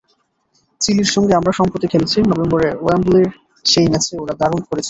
চিলির সঙ্গে আমরা সম্প্রতি খেলেছি, নভেম্বরে ওয়েম্বলির সেই ম্যাচে ওরা দারুণ করেছিল।